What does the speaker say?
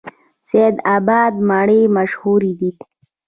سید اباد مڼې مشهورې دي؟